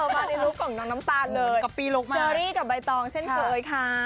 มาในลูกของน้องน้ำตาลเลยดีกว่าเชอรี่กับใบตองเช่นเคยค่ะ